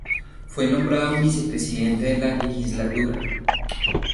Fue nombrado vicepresidente de la Legislatura.